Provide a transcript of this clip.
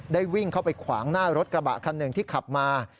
วิ่งเข้าไปขวางหน้ารถกระบะคันหนึ่งที่ขับมา